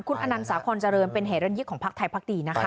คุณอนันต์สาคอนเจริญเป็นเหตุระยิกของพักไทยพักดีนะคะ